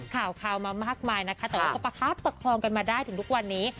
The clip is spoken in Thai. ข่าวมามากมายนะคะแต่ว่าก็ประคับประคองกันมาได้ถึงทุกวันนี้